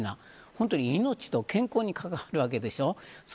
本当に命と健康に関わるわけでしょ。